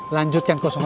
lanjut ke yang delapan